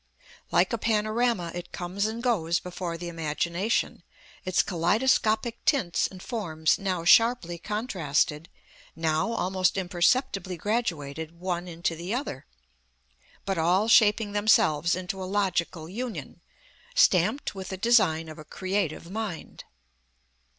Like a panorama, it comes and goes before the imagination, its kaleidoscopic tints and forms now sharply contrasted, now almost imperceptibly graduated one into the other, but all shaping themselves into a logical union, stamped with the design of a creative mind.